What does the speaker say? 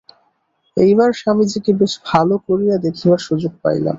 এইবার স্বামীজীকে বেশ ভাল করিয়া দেখিবার সুযোগ পাইলাম।